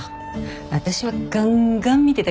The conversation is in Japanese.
私はガンガン見てたけどね。